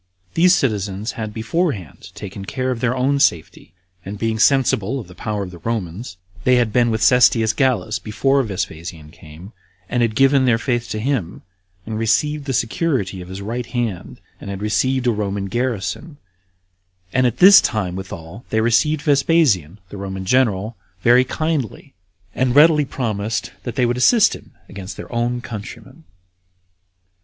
These citizens had beforehand taken care of their own safety, and being sensible of the power of the Romans, they had been with Cestius Gallus before Vespasian came, and had given their faith to him, and received the security of his right hand, and had received a Roman garrison; and at this time withal they received Vespasian, the Roman general, very kindly, and readily promised that they would assist him against their own countrymen.